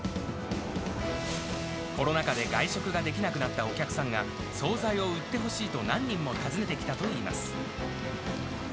コロナ禍で外食ができなくなったお客さんが総菜を売ってほしいと、何人も訪ねてきたといいます。